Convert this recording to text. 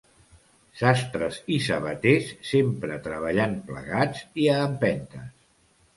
Sastres i sabaters sempre treballen plegats i a empentes.